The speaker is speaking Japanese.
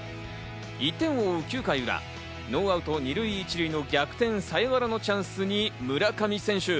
１点を追う９回の裏、ノーアウト２塁１塁の逆転サヨナラのチャンスに村上選手。